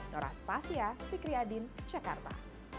noras pasya fikri adin jakarta